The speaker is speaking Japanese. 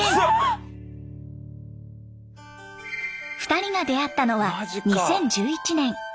２人が出会ったのは２０１１年。